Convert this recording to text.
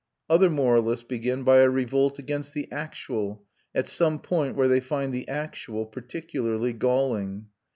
Other moralists begin by a revolt against the actual, at some point where they find the actual particularly galling.